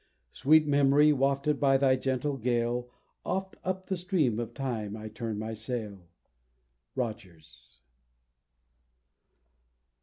"Sweet Memory, wafted by thy gentle gale, Oft up the stream of time I turn my sail." ROGERS.